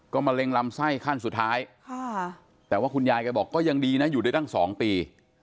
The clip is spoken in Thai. มะเร็งลำไส้ขั้นสุดท้ายแต่ว่าคุณยายแกบอกก็ยังดีนะอยู่ได้ตั้ง๒ปี